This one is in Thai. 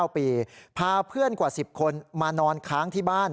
๙ปีพาเพื่อนกว่า๑๐คนมานอนค้างที่บ้าน